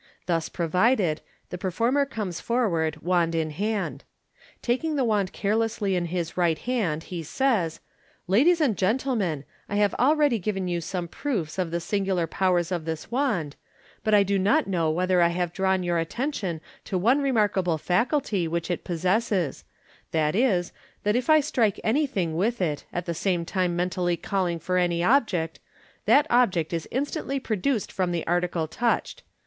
Thus provided, the performer comes forward, wand in hand. Taking the wand carelessly in his right hand, he says, '* Ladies and gentle men, I b*ve already given you some proofs of the singular powers of this waid, but I do not know whether J have drawn your attention to cne remarkable faculty which it possesses, viz., that if I strike anything with it, at the same time mentally calling for any object, that object is instantly produced from the article touched.